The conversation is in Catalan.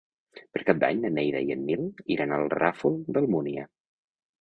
Per Cap d'Any na Neida i en Nil iran al Ràfol d'Almúnia.